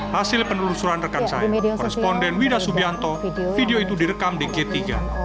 hasil penelusuran rekam saya koresponden widah subianto video itu direkam di gate tiga